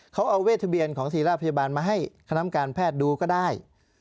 เขาเอาเวททะเบียนของศรีราชพยาบาลมาให้คณะการแพทย์ดูก็ได้